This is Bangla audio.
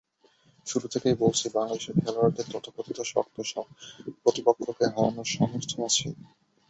শুরু থেকেই বলছি, বাংলাদেশের খেলোয়াড়দের তথাকথিত শক্ত প্রতিপক্ষকে হারানোর সামর্থ্য আছে।